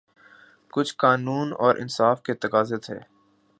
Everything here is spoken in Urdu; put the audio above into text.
کچھ قانون اور انصاف کے تقاضے تھے۔